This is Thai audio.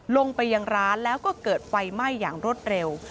ลงไปยังร้านแล้วก็เกิดไฟไหม้อย่างรวดเร็ว